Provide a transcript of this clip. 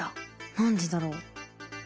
何でだろう？